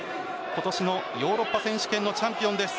今年のヨーロッパ選手権のチャンピオンです。